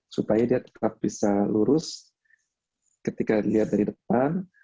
supaya dia tetap bisa lurus ketika dilihat dari depan